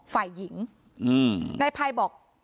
ฝ่ายหญิงนายภัยบอก